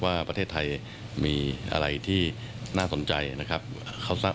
ว่าประเทศไทยมีอะไรที่น่าสนใจนะครับ